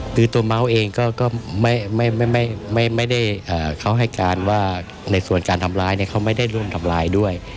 คือตัวเมาส์เองก็ไม่ได้เขาให้การว่าในส่วนการทำร้ายเนี่ยเขาไม่ได้ร่วมทำร้ายด้วย